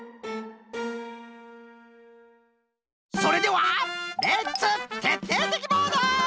それではレッツてっていてきボード！